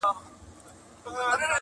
• زاړه خلک چوپتيا غوره کوي,